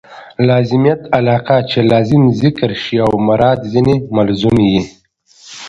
لازمیت علاقه؛ چي لازم ذکر سي او مراد ځني ملزوم يي.